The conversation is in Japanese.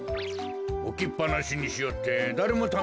おきっぱなしにしおってだれもたべんのか？